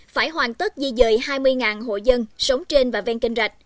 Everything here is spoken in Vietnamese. phải hoàn tất di dời hai mươi hộ dân sống trên và ven kênh rạch